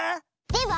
では